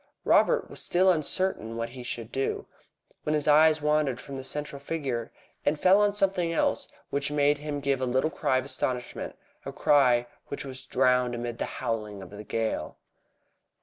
Robert was still uncertain what he should do, when his eyes wandered from the central figure and fell on something else which made him give a little cry of astonishment a cry which was drowned amid the howling of the gale.